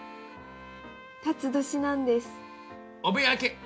辰年なんです。